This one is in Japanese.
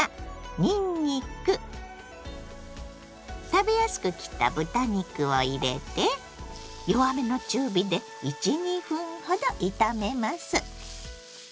にんにく食べやすく切った豚肉を入れて弱めの中火で１２分ほど炒めます。